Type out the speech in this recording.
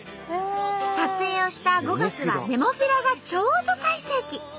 撮影をした５月はネモフィラがちょうど最盛期。